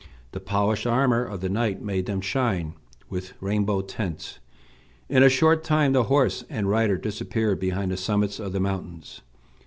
The polished armor of the knight made them shine with rainbow tints. In a short time the horse and rider disappeared behind the summits of the mountains.